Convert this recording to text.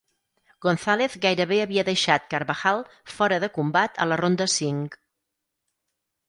Gonzalez gairebé havia deixat Carbajal fora de combat a la ronda cinc.